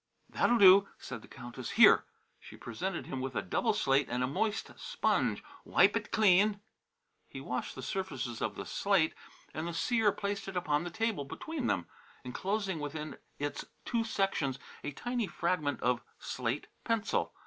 "That'll do," said the Countess. "Here!" She presented him with a double slate and a moist sponge. "Wipe it clean." He washed the surfaces of the slate and the seer placed it upon the table between them, enclosing within its two sections a tiny fragment of slate pencil.